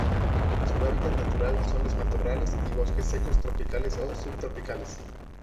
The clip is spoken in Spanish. Su hábitat natural son los matorrales y bosques secos tropicales o subtropicales.